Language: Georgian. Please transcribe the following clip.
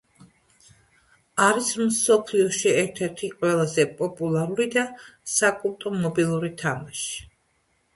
Subway Surfers არის მსოფლიოში ერთ-ერთი ყველაზე პოპულარული და საკულტო მობილური თამაში